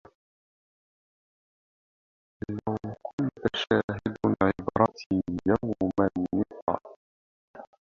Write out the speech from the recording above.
لو كنت شاهد عبرتي يوم النقا